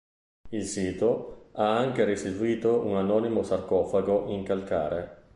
Il sito ha anche restituito un anonimo sarcofago in calcare.